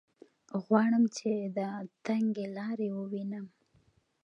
غواړم چې دا تنګې لارې ووینم.